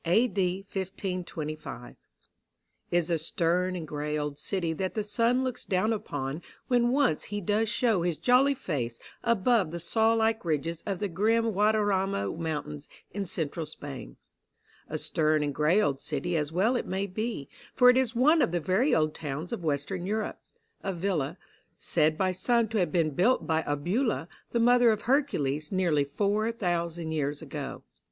A.D. 1525. It is a stern and gray old city that the sun looks down upon, when once he does show his jolly face above the saw like ridges of the grim Guadarrama Mountains in Central Spain; a stern and gray old city as well it may be, for it is one of the very old towns of Western Europe Avila, said by some to have been built by Albula, the mother of Hercules nearly four thousand years ago.